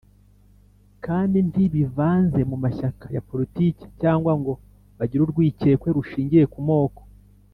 Kandi ntibivanze mu mashyaka ya politiki cyangwa ngo bagire urwikekwe rushingiye ku moko